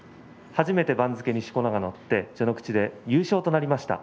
初めて番付にしこ名が載って序ノ口優勝となりました。